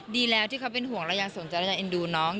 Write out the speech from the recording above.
ดีแล้วที่เขาเป็นห่วงเรายังสนใจและยังเอ็นดูน้อง